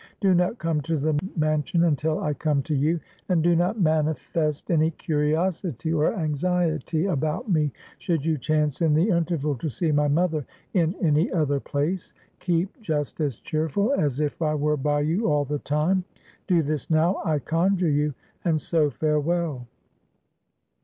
Do not come to the mansion until I come to you; and do not manifest any curiosity or anxiety about me, should you chance in the interval to see my mother in any other place. Keep just as cheerful as if I were by you all the time. Do this, now, I conjure you; and so farewell!"